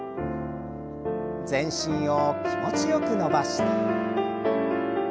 全身を気持ちよく伸ばして。